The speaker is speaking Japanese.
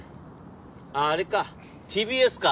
ああれかＴＢＳか？